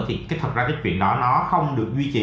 thì thật ra cái chuyện đó nó không được duy trì